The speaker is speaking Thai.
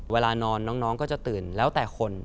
เวลานอนน้องก็จะตื่นแล้วแต่คน